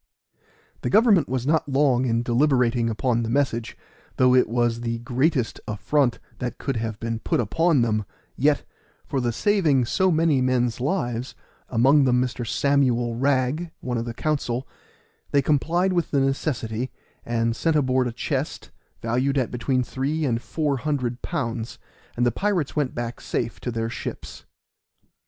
The government was not long in deliberating upon the message, though it was the greatest affront that could have been put upon them, yet, for the saving so many men's lives (among them Mr. Samuel Wragg, one of the council), they complied with the necessity and sent aboard a chest, valued at between three and four hundred pounds, and the pirates went back safe to their ships.